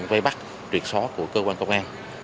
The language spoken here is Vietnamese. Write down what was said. vây bắt truyệt soát